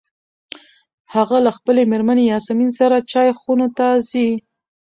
هغه له خپلې مېرمنې یاسمین سره چای خونو ته ځي.